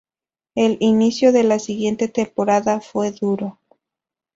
El inicio de la siguiente temporada fue duro.